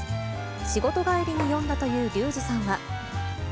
仕事帰りに読んだという龍二さんは。